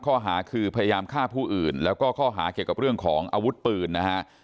ข้อหาคือพยายามฆ่าผู้อื่นแล้วก็ข้อหาเกี่ยวกับเรื่องของอาวุธปืนนะฮะ